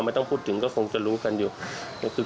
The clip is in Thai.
ไม่ต้องพูดถึงก็คงจะรู้กันอยู่